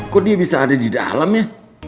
kok dia bisa ada di dalam ya